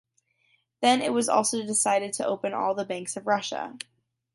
Then it was also decided to open all the banks of Russia.